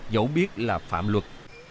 dẫu biết là phạm luật